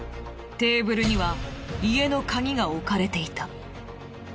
テーブルには家の鍵が置かれていた。